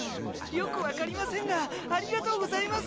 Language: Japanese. よく分かりませんがありがとうございます。